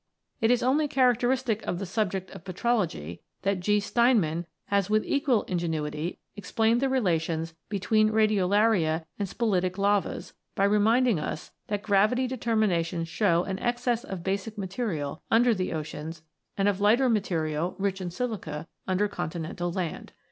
It is only characteristic of the subject of petrology that G. Steinmann(6s) has with equal ingenuity explained the relations between radiolaria and spilitic lavas by reminding us that gravity determinations show an excess of basic material under the oceans and of lighter material, rich in silica, under continental land.